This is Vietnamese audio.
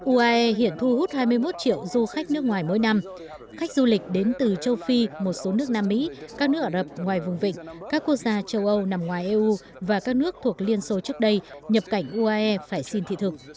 uae hiện thu hút hai mươi một triệu du khách nước ngoài mỗi năm khách du lịch đến từ châu phi một số nước nam mỹ các nước ả rập ngoài vùng vịnh các quốc gia châu âu nằm ngoài eu và các nước thuộc liên xô trước đây nhập cảnh uae phải xin thị thực